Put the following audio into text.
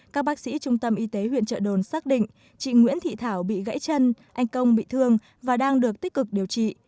các bác sĩ trung tâm y tế huyện trợ đồn xác định chị nguyễn thị thảo bị gãy chân anh công bị thương và đang được tích cực điều trị